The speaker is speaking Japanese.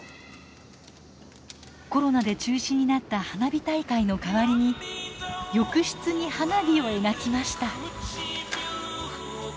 コロナで中止になった花火大会の代わりに浴室に花火を描きました。